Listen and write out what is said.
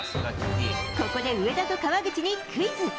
ここで上田と川口にクイズ。